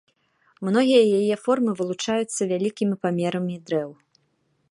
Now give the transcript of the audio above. Многія яе формы вылучаюцца вялікімі памерамі дрэў.